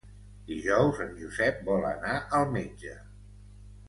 Dijous en Josep vol anar al metge.